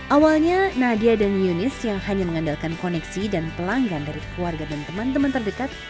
awalnya nadia dan yunis yang hanya mengandalkan koneksi dan pelanggan dari keluarga dan teman teman terdekat